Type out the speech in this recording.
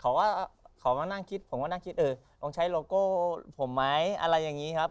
เขาก็เขามานั่งคิดผมก็นั่งคิดเออลองใช้โลโก้ผมไหมอะไรอย่างนี้ครับ